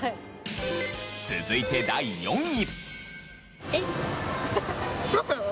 続いて第４位。